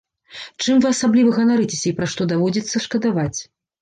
Чым вы асабліва ганарыцеся і пра што даводзіцца шкадаваць?